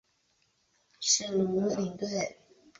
史奴顿现时是列斯联和北爱尔兰的助理领队。